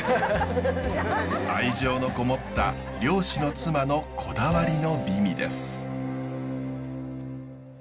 愛情のこもった漁師の妻のこだわりの美味です。